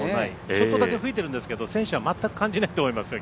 ちょっとだけ吹いてるんですけど選手は全く感じないと思いますよ